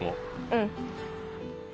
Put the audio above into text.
うん。